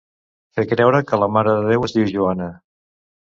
Fer creure que la Mare de Déu es diu Joana.